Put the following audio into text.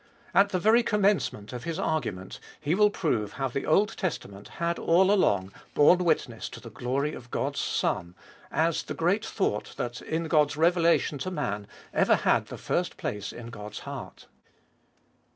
At the very commencement of his argu ment he will prove how the Old Testament had all along borne witness to the glory of God's Son, as the great thought that in God's revelation to man ever had the first place in God's heart.